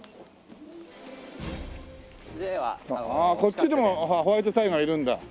ああこっちにもホワイトタイガーいるんだ。